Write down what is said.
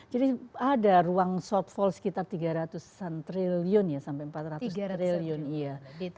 jadi ada ruang shortfall sekitar rp tiga ratus sampai rp empat ratus